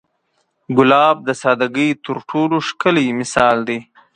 ګلاب د سادګۍ تر ټولو ښکلی مثال دی.